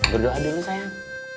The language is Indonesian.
berdoa dulu sayang